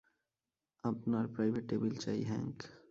আপনার private table চাই, Hank?